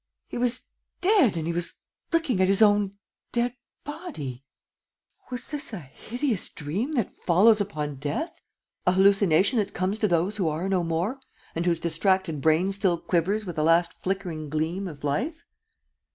He was dead and he was looking at his own dead body! Was this a hideous dream that follows upon death? A hallucination that comes to those who are no more and whose distracted brain still quivers with a last flickering gleam of life?